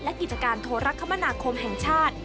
และกิจการโทรคมนาคมแห่งชาติ